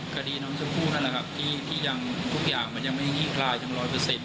การ์ดีน้องจะพูดนั่นแหละครับที่ทุกอย่างมันยังไม่งี้คลายจน๑๐๐